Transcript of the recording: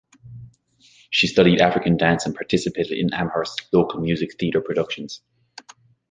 She studied African Dance and participated in Amherst's local musical theater productions.